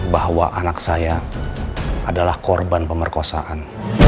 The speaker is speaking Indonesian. bahwa anak saya adalah korban pemerkosaan